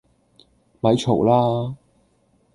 咪嘈啦